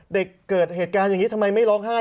เกิดเหตุการณ์อย่างนี้ทำไมไม่ร้องไห้